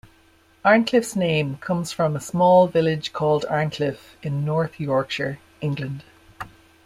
Arncliffe's name comes from a small village called Arncliffe in North Yorkshire, England.